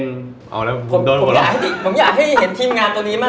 ผมอยากให้เห็นทีมงานตัวนี้มา